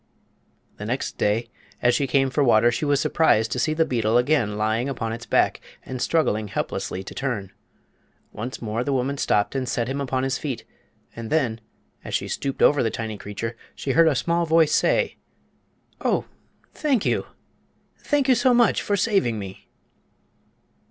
The next day, as she came for water, she was surprised to see the beetle again lying upon its back and struggling helplessly to turn. Once more the woman stopped and set him upon his feet; and then, as she stooped over the tiny creature, she heard a small voice say: "Oh, thank you! Thank you so much for saving me!"